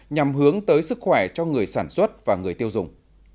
nhằm hướng tới sức khỏe cho người sản xuất và người tiêu dùng